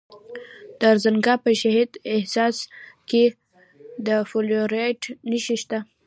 د ارزګان په شهید حساس کې د فلورایټ نښې شته.